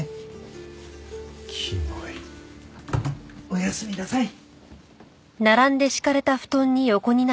おやすみなさい。